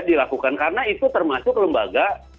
dilakukan karena itu termasuk lembaga